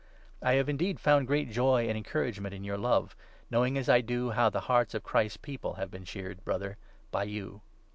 I have 7 indeed found great joy and encouragement in your love, knowing, as I do, how the hearts of Christ's People have been cheered, Brother, by you.